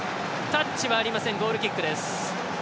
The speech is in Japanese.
タッチはありませんゴールキックです。